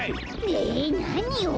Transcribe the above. えなにを？